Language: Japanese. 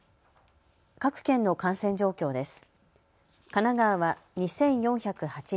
各県の感染状況です。